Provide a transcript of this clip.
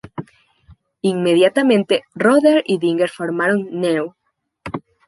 Inmediatamente, Rother y Dinger formaron Neu!